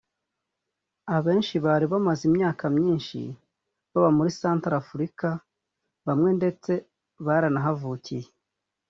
Abenshi bari bamaze imyaka myinshi baba muri Centrafrique bamwe ndetse baranahavukiye